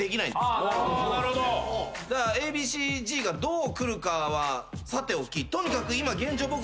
Ａ．Ｂ．Ｃ−Ｚがどうくるかはさておきとにかく今現状